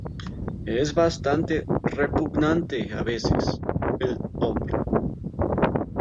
Es bastante repugnante a veces, el hombre.